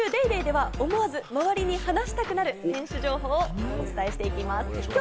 今週『ＤａｙＤａｙ．』では、思わず周りに話したくなる選手情報をお伝えしていきます。